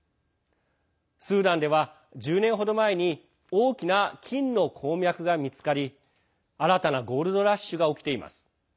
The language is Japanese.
スーダンでは、１０年程前に大きな金の鉱脈が見つかり新たなゴールドラッシュが起きています。